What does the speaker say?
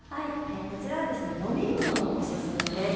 こちらは飲み物のおすすめです。